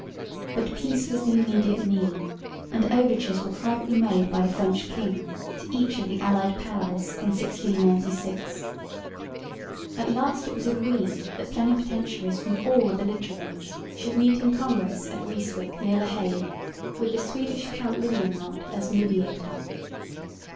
But peace was the immediate need, and overtures were privately made by the French king to each of the allied powers in 1696. At last it was agreed that plenipotentiaries from all the belligerents should meet in congress at Ryswyck near the Hague with the Swedish Count Lilienrot as mediator.